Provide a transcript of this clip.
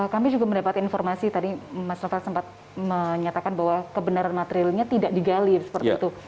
kami juga mendapat informasi tadi mas novel sempat menyatakan bahwa kebenaran materialnya tidak digali seperti itu